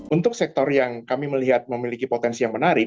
untuk sektor yang kami melihat memiliki potensi yang menarik